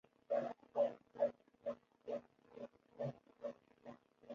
柱冠罗汉松是罗汉松科罗汉松属罗汉松的变种。